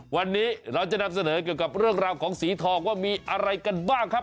วันนี้เราจะนำเสนอเกี่ยวกับเรื่องราวของสีทองว่ามีอะไรกันบ้างครับ